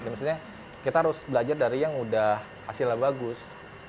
maksudnya kita harus belajar dari yang udah hasilnya bagus